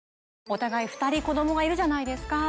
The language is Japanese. お互い２人子供がいるじゃないですか。